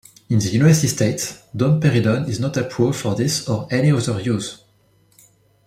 In the United States, domperidone is not approved for this or any other use.